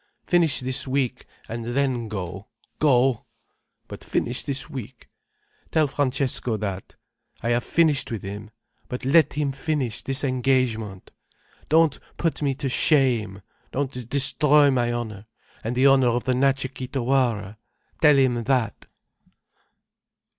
Finish this week and then go, go—But finish this week. Tell Francesco that. I have finished with him. But let him finish this engagement. Don't put me to shame, don't destroy my honour, and the honour of the Natcha Kee Tawara. Tell him that."